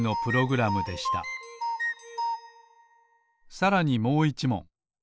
さらにもう１もん。